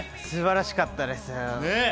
すばらしかったですね